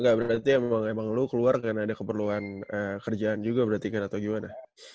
gak berarti emang lu keluar karena ada keperluan kerjaan juga berarti kan atau gimana